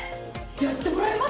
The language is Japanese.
やってもらえます！？